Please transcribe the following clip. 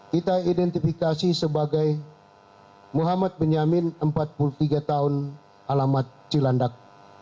kita identifikasi sebagai muhammad benyamin empat puluh tiga tahun alamat cilandak